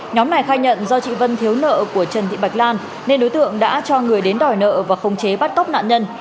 nhóm này khai nhận do chị vân thiếu nợ của trần thị bạch lan nên đối tượng đã cho người đến đòi nợ và khống chế bắt cóc nạn nhân